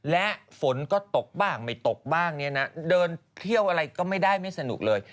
และฝนก็ตกบ้างไม่ตกบ้างเนี่ยนะเดินเที่ยวอะไรก็ไม่ได้ไม่สนุกเลย